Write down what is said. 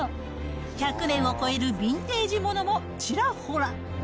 １００年を超えるビンテージ物もちらほら。